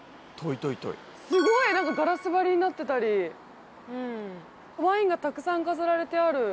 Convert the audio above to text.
すごい何かガラス張りになってたりワインがたくさん飾られてある。